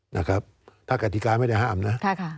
นะครับถ้ากฎิกาไม่ได้ห้ามนะ